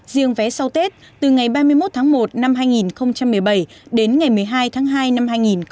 riêng vé sau tết từ ngày ba mươi một tháng một năm hai nghìn một mươi bảy đến ngày một mươi hai tháng hai năm hai nghìn một mươi chín